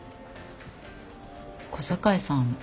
小堺さん